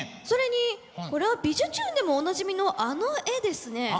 それにこれは「びじゅチューン！」でもおなじみのあの絵ですね。